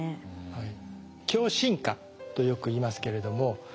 はい。